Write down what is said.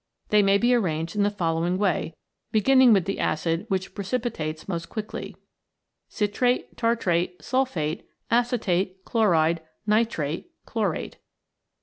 They may be arranged in the following way, beginning with the acid which precipitates most quickly : Citrate, Tartrate, Sulphate, Acetate, Chloride, Nitrate, Chlorate.